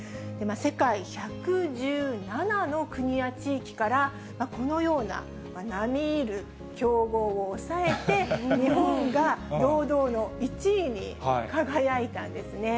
世界１１７の国や地域からこのような並みいる強豪を抑えて、日本が堂々の１位に輝いたんですね。